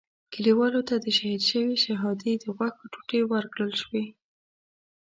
کلیوالو ته د شهید شوي شهادي د غوښو ټوټې ورکړل شوې.